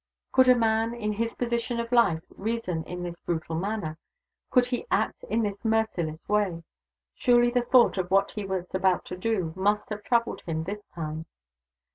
Could a man, in his position of life, reason in this brutal manner? could he act in this merciless way? Surely the thought of what he was about to do must have troubled him this time!